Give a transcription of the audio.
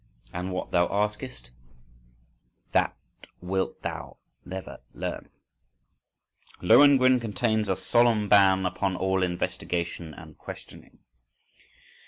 And what thou askest, That wilt thou never learn." "Lohengrin" contains a solemn ban upon all investigation and questioning.